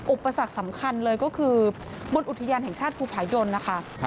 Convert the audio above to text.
อุปสรรคสำคัญเลยก็คือบนอุทยานแห่งชาติภูผายนนะคะ